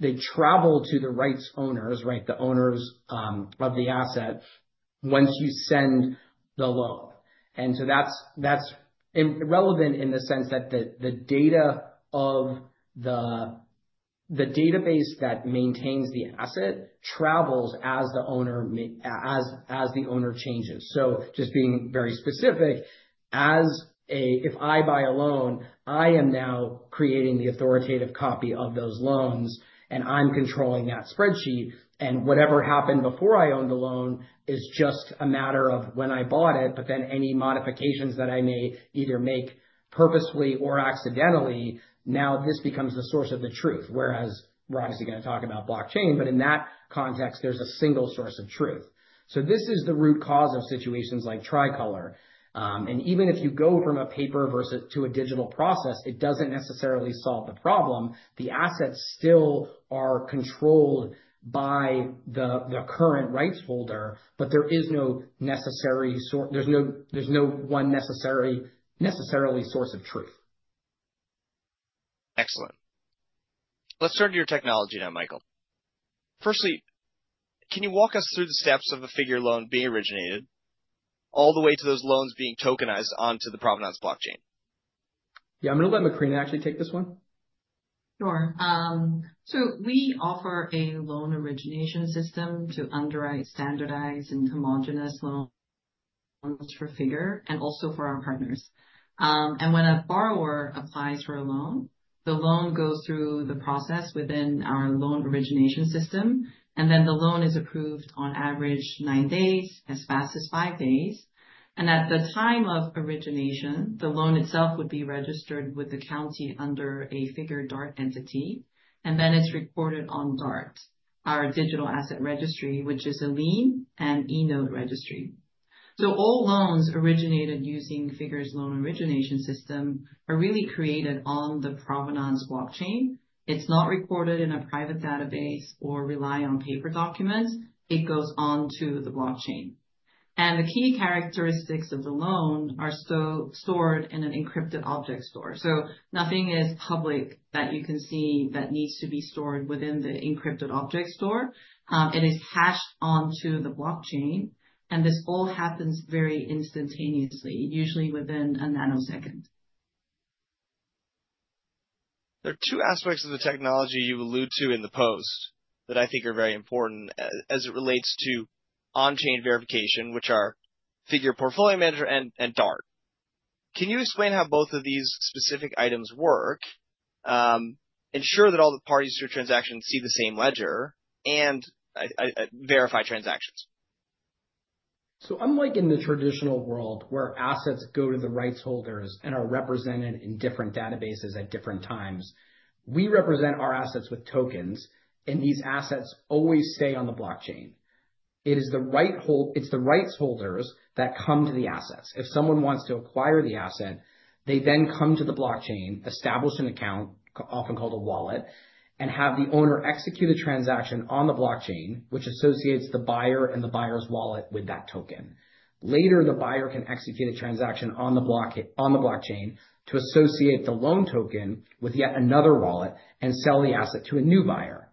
The database that maintains the asset travels as the owner changes. Just being very specific, if I buy a loan, I am now creating the authoritative copy of those loans, and I'm controlling that spreadsheet. Whatever happened before I owned the loan is just a matter of when I bought it. Any modifications that I may either make purposefully or accidentally, now this becomes the source of the truth. We're obviously going to talk about blockchain, but in that context, there's a single source of truth. This is the root cause of situations like Tricolor. Even if you go from a paper to a digital process, it doesn't necessarily solve the problem. The assets still are controlled by the current rights holder, but there's no one necessarily source of truth. Excellent. Let's turn to your technology now, Michael. Firstly, can you walk us through the steps of a Figure loan being originated all the way to those loans being tokenized onto the Provenance Blockchain? Yeah, I'm going to let Macrina actually take this one. Sure. We offer a loan origination system to underwrite standardized and homogeneous loans for Figure and also for our partners. When a borrower applies for a loan, the loan goes through the process within our loan origination system. The loan is approved on average nine days, as fast as five days. At the time of origination, the loan itself would be registered with the county under a Figure DART entity. It is recorded on DART, our Digital Asset Registry, which is a lien and eNote registry. All loans originated using Figure's loan origination system are really created on the Provenance Blockchain. It is not recorded in a private database or relied on paper documents. It goes on to the blockchain. The key characteristics of the loan are stored in an encrypted object store. Nothing is public that you can see that needs to be stored within the encrypted object store. It is hashed onto the blockchain. This all happens very instantaneously, usually within a nanosecond. There are two aspects of the technology you allude to in the post that I think are very important as it relates to on-chain verification, which are Figure Portfolio Manager and DART. Can you explain how both of these specific items work, ensure that all the parties to a transaction see the same ledger, and verify transactions? Unlike in the traditional world where assets go to the rights holders and are represented in different databases at different times, we represent our assets with tokens. These assets always stay on the blockchain. It is the rights holders that come to the assets. If someone wants to acquire the asset, they come to the blockchain, establish an account, often called a wallet, and have the owner execute a transaction on the blockchain, which associates the buyer and the buyer's wallet with that token. Later, the buyer can execute a transaction on the blockchain to associate the loan token with yet another wallet and sell the asset to a new buyer.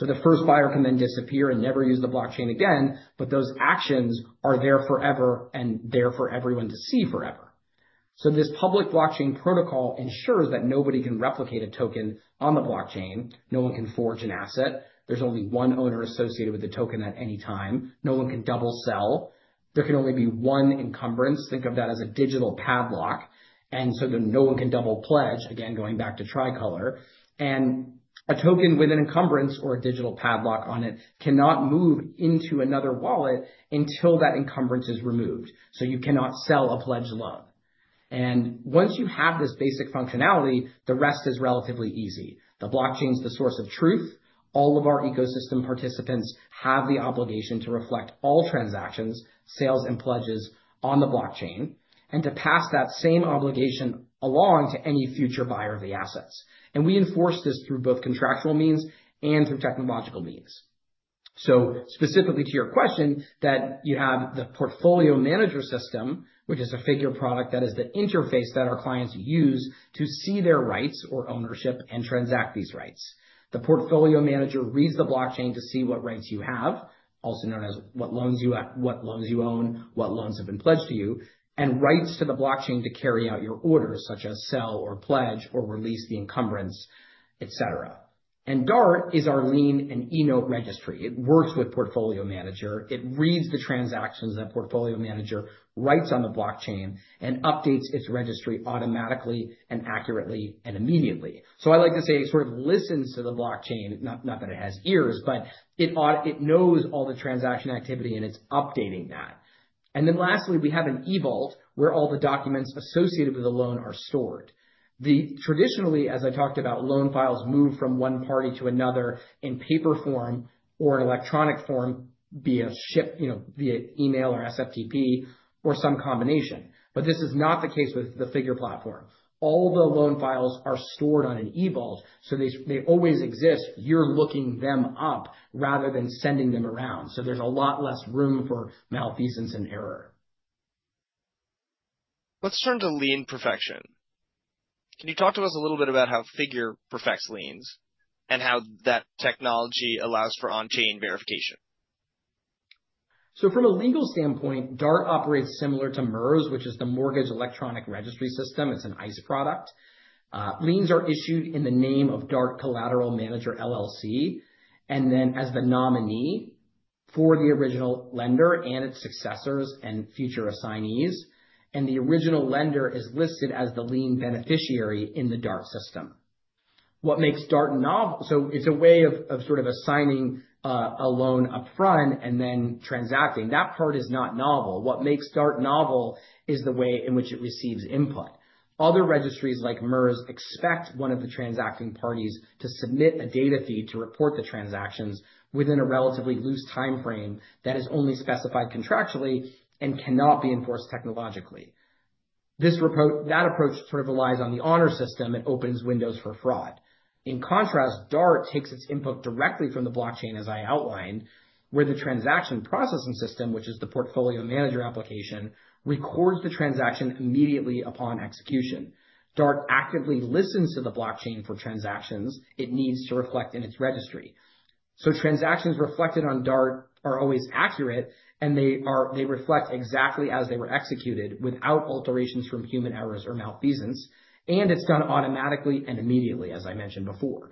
The first buyer can then disappear and never use the blockchain again. Those actions are there forever and there for everyone to see forever. This public blockchain protocol ensures that nobody can replicate a token on the blockchain. No one can forge an asset. There is only one owner associated with the token at any time. No one can double sell. There can only be one encumbrance. Think of that as a digital padlock. No one can double pledge, going back to Tricolor. A token with an encumbrance or a digital padlock on it cannot move into another wallet until that encumbrance is removed. You cannot sell a pledged loan. Once you have this basic functionality, the rest is relatively easy. The blockchain is the source of truth. All of our ecosystem participants have the obligation to reflect all transactions, sales, and pledges on the blockchain, and to pass that same obligation along to any future buyer of the assets. We enforce this through both contractual means and through technological means. Specifically to your question, you have the Portfolio Manager system, which is a Figure product that is the interface that our clients use to see their rights or ownership and transact these rights. The Portfolio Manager reads the blockchain to see what rights you have, also known as what loans you own, what loans have been pledged to you, and writes to the blockchain to carry out your orders, such as sell or pledge or release the encumbrance, et cetera. DART is our lien and eNote registry. It works with Portfolio Manager, it reads the transactions that Portfolio Manager writes on the blockchain and updates its registry automatically, accurately, and immediately. I like to say it sort of listens to the blockchain, not that it has ears, but it knows all the transaction activity and it's updating that. Lastly, we have an eVault where all the documents associated with a loan are stored. Traditionally, as I talked about, loan files move from one party to another in paper form or an electronic form via ship, you know, via email or SFTP or some combination. This is not the case with the Figure platform. All the loan files are stored on an eVault. They always exist. You're looking them up rather than sending them around. There's a lot less room for malfeasance and error. Let's turn to lien perfection. Can you talk to us a little bit about how Figure perfects liens and how that technology allows for on-chain verification? From a legal standpoint, DART operates similar to MERS, which is the Mortgage Electronic Registry System, it's an ICE product. Liens are issued in the name of DART Collateral Manager, LLC, and then as the nominee for the original lender and its successors and future assignees. The original lender is listed as the lien beneficiary in the DART system. What makes DART novel is the way in which it receives input. Other registries like MERS expect one of the transacting parties to submit a data feed to report the transactions within a relatively loose time frame that is only specified contractually and cannot be enforced technologically. That approach relies on the honor system and opens windows for fraud. In contrast, DART takes its input directly from the blockchain, as I outlined, where the transaction processing system, which is the Portfolio Manager application, records the transaction immediately upon execution. DART actively listens to the blockchain for transactions it needs to reflect in its registry. Transactions reflected on DART are always accurate, and they reflect exactly as they were executed without alterations from human errors or malfeasance. It's done automatically and immediately, as I mentioned before.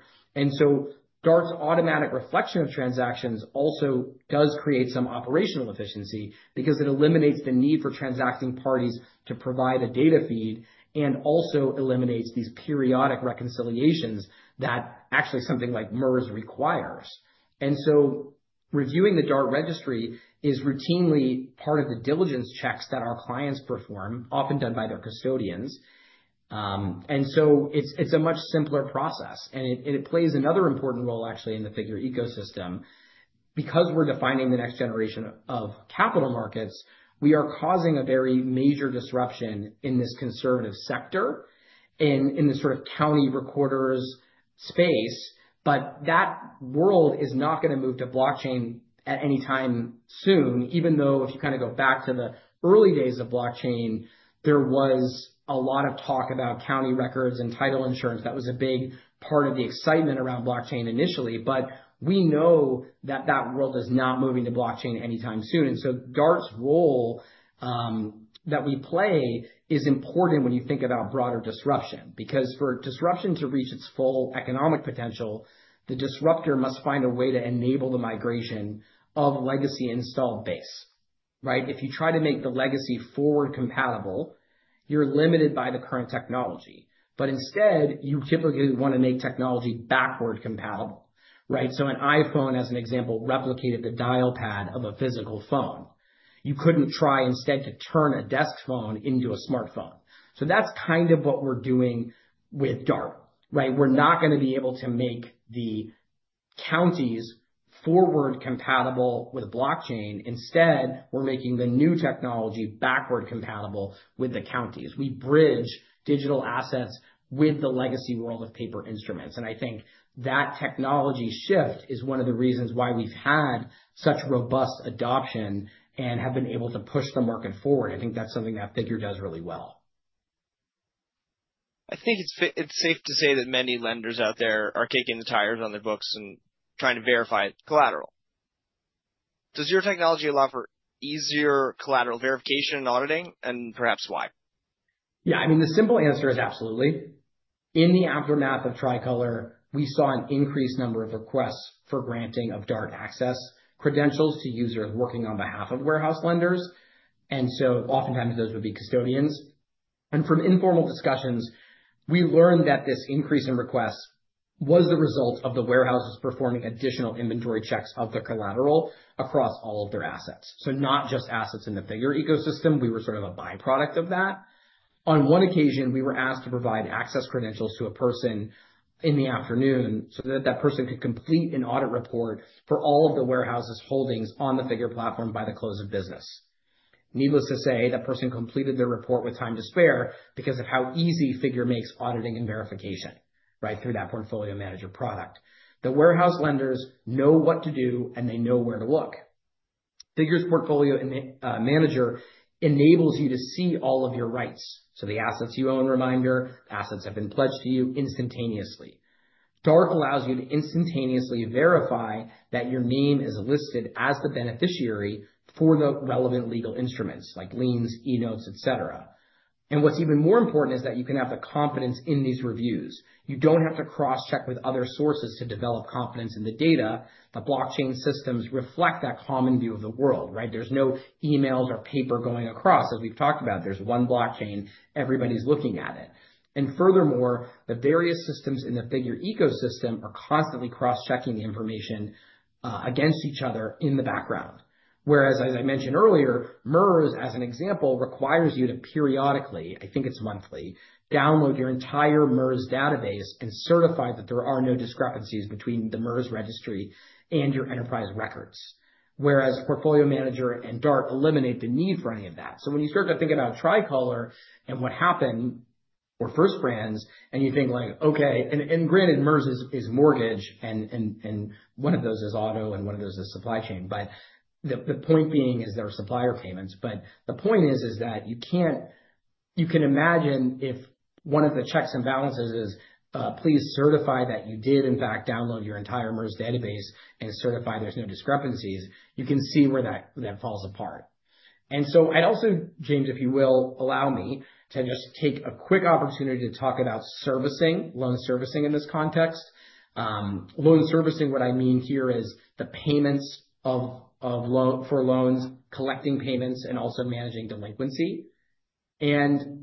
DART's automatic reflection of transactions also does create some operational efficiency because it eliminates the need for transacting parties to provide a data feed and also eliminates these periodic reconciliations that actually something like MERS requires. Reviewing the DART registry is routinely part of the diligence checks that our clients perform, often done by their custodians. It's a much simpler process, and it plays another important role in the Figure ecosystem because we're defining the next generation of capital markets, we are causing a very major disruption in this conservative sector, in the county recorders space. That world is not going to move to blockchain at any time soon, even though if you kind of go back to the early days of blockchain, there was a lot of talk about county records and title insurance. That was a big part of the excitement around blockchain initially. We know that that world is not moving to blockchain anytime soon, and DART's role that we play is important when you think about broader disruption. Because for disruption to reach its full economic potential, the disruptor must find a way to enable the migration of legacy installed base. If you try to make the legacy forward compatible, you're limited by the current technology. Instead, you typically want to make technology backward compatible. An iPhone, as an example, replicated the dial pad of a physical phone. You couldn't try instead to turn a desk phone into a smartphone. That's kind of what we're doing with DART. We're not going to be able to make the counties forward compatible with blockchain. Instead, we're making the new technology backward compatible with the counties. We bridge digital assets with the legacy world of paper instruments. I think that technology shift is one of the reasons why we've had such robust adoption and have been able to push the market forward. I think that's something that Figure does really well. I think it's safe to say that many lenders out there are kicking the tires on their books and trying to verify collateral. Does your technology allow for easier collateral verification and auditing? Perhaps why? Yeah, I mean, the simple answer is absolutely. In the aftermath of Tricolor, we saw an increased number of requests for granting of DART access credentials to users working on behalf of warehouse lenders. Oftentimes, those would be custodians. From informal discussions, we learned that this increase in requests was the result of the warehouses performing additional inventory checks of their collateral across all of their assets, not just assets in the Figure ecosystem. We were sort of a byproduct of that. On one occasion, we were asked to provide access credentials to a person in the afternoon so that that person could complete an audit report for all of the warehouse's holdings on the Figure platform by the close of business. Needless to say, that person completed their report with time to spare because of how easy Figure makes auditing and verification through that Portfolio Manager product. The warehouse lenders know what to do, and they know where to look. Figure's Portfolio Manager enables you to see all of your rights. So the assets you own reminder, the assets have been pledged to you instantaneously. DART allows you to instantaneously verify that your name is listed as the beneficiary for the relevant legal instruments, like liens, eNotes, et cetera. What's even more important is that you can have the confidence in these reviews. You don't have to cross-check with other sources to develop confidence in the data. The blockchain systems reflect that common view of the world. There's no emails or paper going across. As we've talked about, there's one blockchain, everybody's looking at it. Furthermore, the various systems in the Figure ecosystem are constantly cross-checking the information against each other in the background. Whereas, as I mentioned earlier, MERS, as an example, requires you to periodically, I think it's monthly, download your entire MERS database and certify that there are no discrepancies between the MERS registry and your enterprise records. Portfolio Manager and DART eliminate the need for any of that. When you start to think about Tricolor and what happened, or first brands, and you think like, okay, and granted, MERS is mortgage, and one of those is auto, and one of those is supply chain. The point being is there are supplier payments. The point is that you can imagine if one of the checks and balances is, please certify that you did, in fact, download your entire MERS database and certify there's no discrepancies. You can see where that falls apart. James, if you will, allow me to just take a quick opportunity to talk about servicing, loan servicing in this context. Loan servicing, what I mean here is the payments of loans for loans, collecting payments, and also managing delinquency.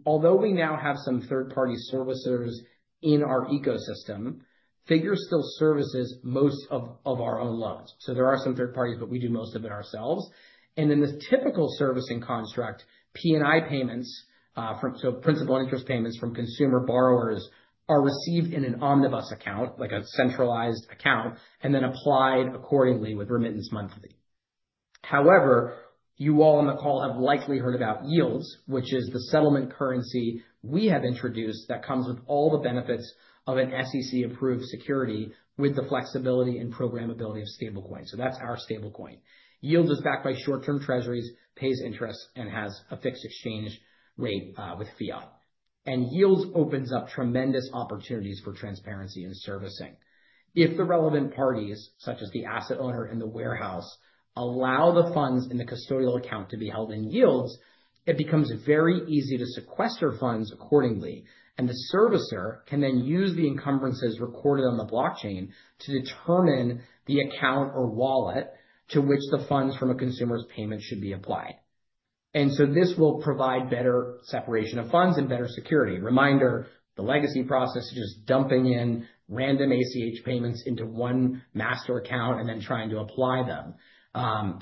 Although we now have some third-party servicers in our ecosystem, Figure still services most of our own loans. There are some third parties, but we do most of it ourselves. In the typical servicing construct, P&I payments, so principal and interest payments from consumer borrowers, are received in an omnibus account, like a centralized account, and then applied accordingly with remittance monthly. However, you all on the call have likely heard about Yields, which is the settlement currency we have introduced that comes with all the benefits of an SEC-approved security with the flexibility and programmability of stablecoins. That's our stablecoin. Yields is backed by short-term treasuries, pays interest, and has a fixed exchange rate with fiat. Yields opens up tremendous opportunities for transparency and servicing. If the relevant parties, such as the asset owner and the warehouse, allow the funds in the custodial account to be held in Yields, it becomes very easy to sequester funds accordingly. The servicer can then use the encumbrances recorded on the blockchain to determine the account or wallet to which the funds from a consumer's payment should be applied. This will provide better separation of funds and better security. Reminder, the legacy process is just dumping in random ACH payments into one master account and then trying to apply them.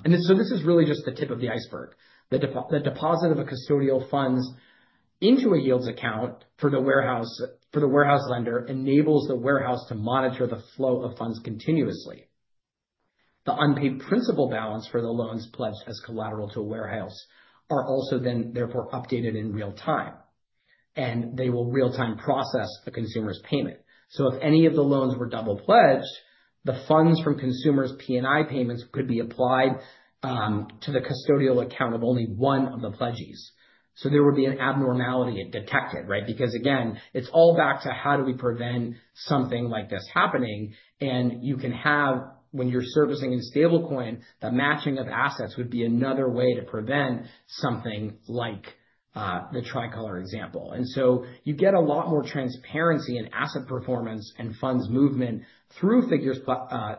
This is really just the tip of the iceberg. The deposit of a custodial fund into a Yields account for the warehouse lender enables the warehouse to monitor the flow of funds continuously. The unpaid principal balance for the loans pledged as collateral to a warehouse are also then therefore updated in real time. They will real-time process a consumer's payment. If any of the loans were double pledged, the funds from consumers' P&I payments could be applied to the custodial account of only one of the pledges. There would be an abnormality detected, right? Because again, it's all back to how do we prevent something like this happening. You can have, when you're servicing in stablecoin, the matching of assets would be another way to prevent something like the Tricolor example. You get a lot more transparency in asset performance and funds movement through Figure's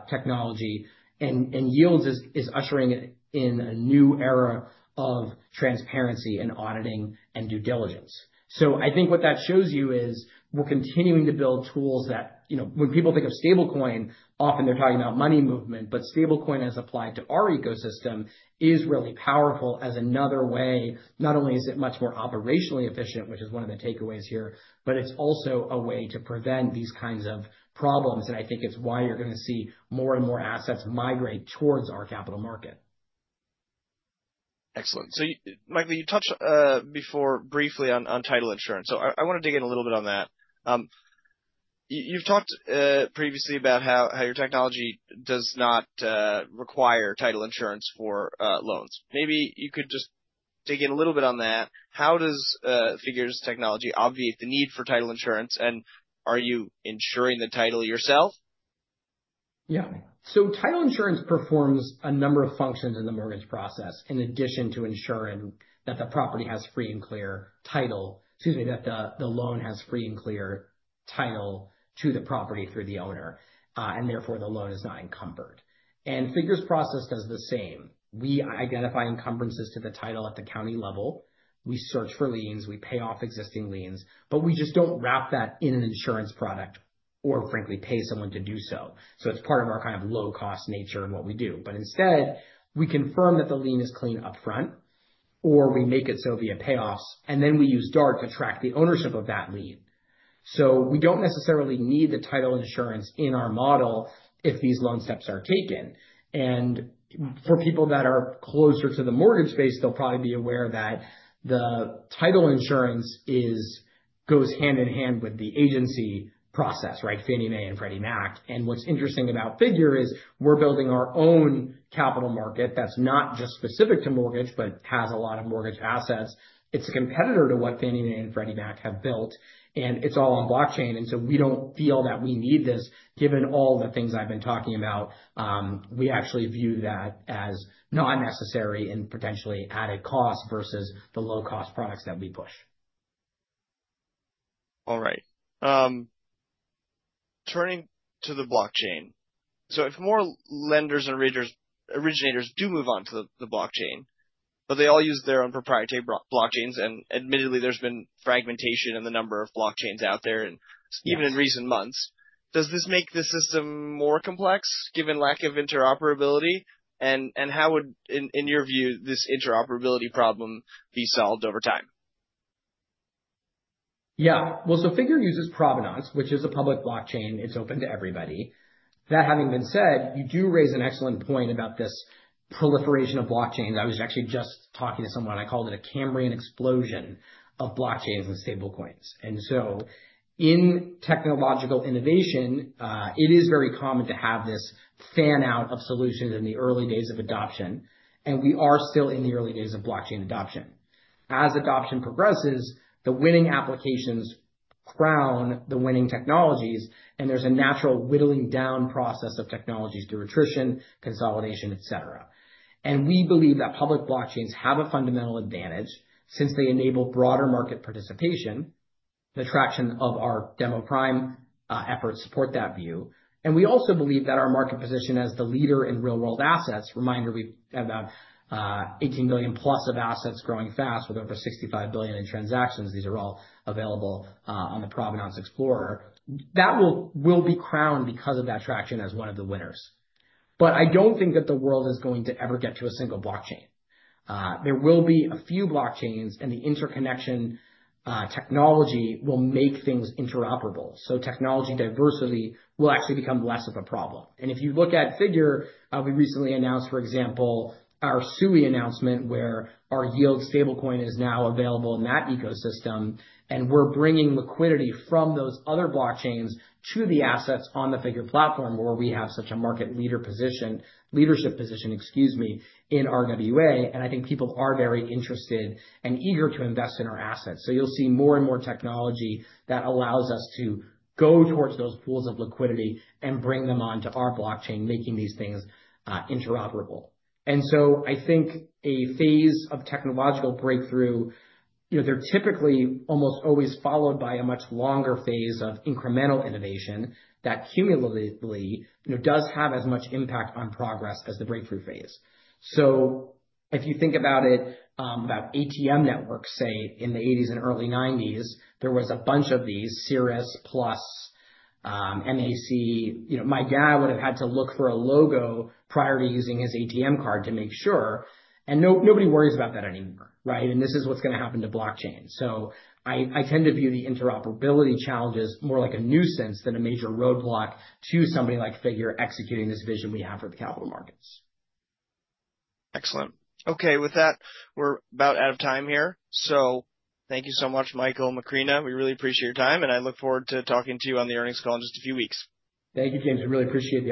technology. Yields is ushering in a new era of transparency and auditing and due diligence. I think what that shows you is we're continuing to build tools that, you know, when people think of stablecoin, often they're talking about money movement. Stablecoin, as applied to our ecosystem, is really powerful as another way. Not only is it much more operationally efficient, which is one of the takeaways here, but it's also a way to prevent these kinds of problems. I think it's why you're going to see more and more assets migrate towards our capital market. Excellent. Michael, you touched before briefly on title insurance. I want to dig in a little bit on that. You've talked previously about how your technology does not require title insurance for loans. Maybe you could just dig in a little bit on that. How does Figure's technology obviate the need for title insurance? Are you insuring the title yourself? Yeah, title insurance performs a number of functions in the mortgage process in addition to ensuring that the loan has free and clear title to the property through the owner, and therefore, the loan is not encumbered. Figure's process does the same. We identify encumbrances to the title at the county level, search for liens, and pay off existing liens. We just don't wrap that in an insurance product or frankly pay someone to do so. It's part of our kind of low-cost nature of what we do. Instead, we confirm that the lien is clean upfront, or we make it so via payoffs, and then we use DART to track the ownership of that lien. We don't necessarily need the title insurance in our model if these loan steps are taken. For people that are closer to the mortgage space, they'll probably be aware that the title insurance goes hand in hand with the agency process, right? Fannie Mae and Freddie Mac. What's interesting about Figure is we're building our own capital market that's not just specific to mortgage but has a lot of mortgage assets. It's a competitor to what Fannie Mae and Freddie Mac have built, and it's all on blockchain. We don't feel that we need this, given all the things I've been talking about. We actually view that as not necessary and potentially added cost versus the low-cost products that we push. All right. Turning to the blockchain. If more lenders and originators do move on to the blockchain, but they all use their own proprietary blockchains, and admittedly, there's been fragmentation in the number of blockchains out there, even in recent months, does this make the system more complex, given lack of interoperability? How would, in your view, this interoperability problem be solved over time? Yeah, Figure uses Provenance, which is a public blockchain. It's open to everybody. That having been said, you do raise an excellent point about this proliferation of blockchains. I was actually just talking to someone. I called it a Cambrian Explosion of blockchains and stablecoins. In technological innovation, it is very common to have this fan out of solutions in the early days of adoption. We are still in the early days of blockchain adoption. As adoption progresses, the winning applications crown the winning technologies. There is a natural whittling down process of technologies through attrition, consolidation, et cetera. We believe that public blockchains have a fundamental advantage since they enable broader market participation, the traction of our Democratized Prime efforts supports that view. We also believe that our market position as the leader in real-world assets—reminder, we have about $18 billion+ of assets growing fast with over $65 billion in transactions. These are all available on the Provenance Explorer. That will be crowned because of that traction as one of the winners. I don't think that the world is going to ever get to a single blockchain. There will be a few blockchains, and the interconnection technology will make things interoperable. Technology diversity will actually become less of a problem. If you look at Figure, we recently announced, for example, our SUI announcement where our Yields stablecoin is now available in that ecosystem. We're bringing liquidity from those other blockchains to the assets on the Figure platform, where we have such a market leadership position, excuse me, in RWA, I think people are very interested and eager to invest in our assets. You'll see more and more technology that allows us to go towards those pools of liquidity and bring them on to our blockchain, making these things interoperable. I think a phase of technological breakthrough, you know, they're typically almost always followed by a much longer phase of incremental innovation that cumulatively does have as much impact on progress as the breakthrough phase. If you think about it, about ATM networks, say, in the 1980s and early 1990s, there was a bunch of these, Cirrus Plus, MAC. My dad would have had to look for a logo prior to using his ATM card to make sure. Nobody worries about that anymore, right? This is what's going to happen to blockchain. I tend to view the interoperability challenges more like a nuisance than a major roadblock to somebody like Figure executing this vision we have for the capital markets. Excellent. OK, with that, we're about out of time here. Thank you so much, Michael and Macrina. We really appreciate your time. I look forward to talking to you on the earnings call in just a few weeks. Thank you, James. We really appreciate the opportunity.